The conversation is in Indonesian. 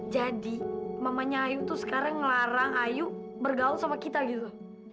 jadi mamanya ayu tuh sekarang ngelarang ayu bergaul sama kita gitu